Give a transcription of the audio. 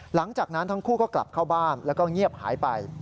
หลังจากนั้นทั้งคู่ก็กลับเข้าบ้านแล้วก็เงียบหายไป